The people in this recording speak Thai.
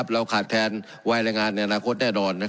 เราขาดแคลนวายแรงงานในอนาคตแน่นอน